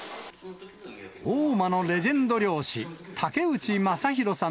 大間のレジェンド漁師、竹内正弘さん